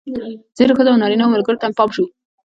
ځینو ښځینه او نارینه ملګرو ته مې پام شو.